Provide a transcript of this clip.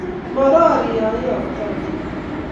Morori ya iyoki nego